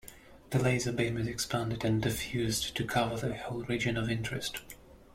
The laser beam is expanded and diffused to cover the whole region of interest.